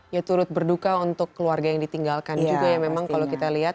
ya turut berduka untuk keluarga yang ditinggalkan juga ya memang kalau kita lihat